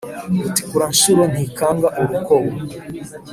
Rutikuranshuro ntikanga urukubo,